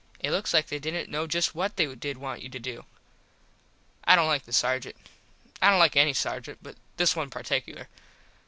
It looks like they didnt know just what they did want you to do. I dont like the Sargent. I dont like any sargent but this one particular.